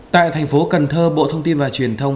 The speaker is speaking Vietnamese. tại thành phố cần thơ bộ thông tin và truyền thông